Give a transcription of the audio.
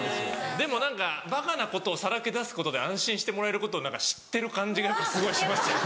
でも何かバカなことをさらけ出すことで安心してもらえることを知ってる感じがすごいしますよね。